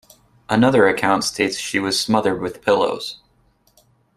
Another account states she was smothered with pillows.